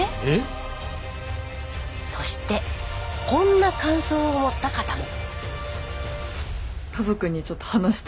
そしてこんな感想を持った方も。